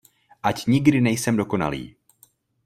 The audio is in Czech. Ať nikdy nejsem dokonalý!